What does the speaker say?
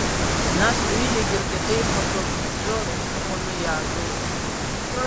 Нас рҩыџьагьы ркьатеиахқәа ԥыҵәҵәо рҽырхәаны иаагылеит.